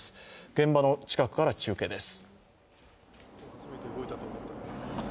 現場の近くから中継です。